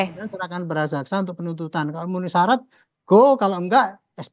kemudian serahkan kepada jaksa untuk penuntutan kalau menurut syarat go kalau enggak sp tiga